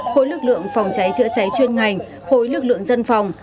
khối lực lượng phòng cháy chữa cháy chuyên ngành khối lực lượng dân phòng